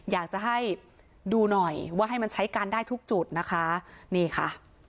อยากจะให้ดูหน่อยว่าให้มันใช้การได้ทุกจุดนะคะนี่ค่ะ